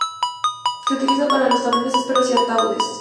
Se utiliza para los tablones ásperos y ataúdes.